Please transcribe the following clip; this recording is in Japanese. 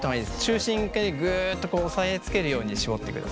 中心でぐっと押さえつけるように絞ってください。